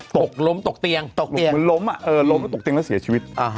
ตกล้มตกเตียงตกเตียงเหมือนล้มอ่ะเออล้มแล้วตกเตียงแล้วเสียชีวิต